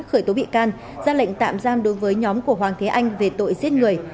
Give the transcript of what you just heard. khởi tố bị can ra lệnh tạm giam đối với nhóm của hoàng thế anh về tội giết người